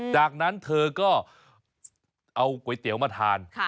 จากนั้นเธอก็เอาก๋วยเตี๋ยวมาทาน